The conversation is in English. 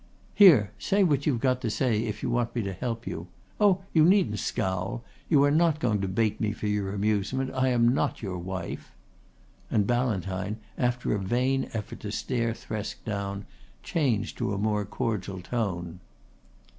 "Here! Say what you have got to say if you want me to help you. Oh, you needn't scowl! You are not going to bait me for your amusement. I am not your wife." And Ballantyne after a vain effort to stare Thresk down changed to a more cordial tone.